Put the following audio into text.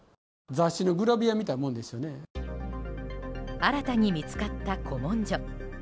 新たに見つかった古文書。